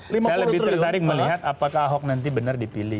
saya lebih tertarik melihat apakah ahok nanti benar dipilih